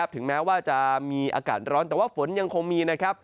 ถึงแม้ว่าจะมีอากาศร้อนแต่ว่าฝนยังคงมีนะครับ